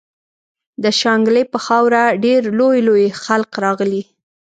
د شانګلې پۀ خاوره ډېر لوئ لوئ خلق راغلي